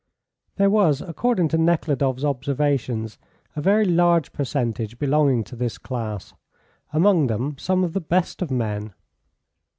There was, according to Nekhludoff's observations, a very large percentage belonging to this class; among them some of the best of men.